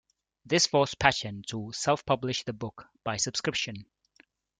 This forced Patchen to self-publish the book by subscription.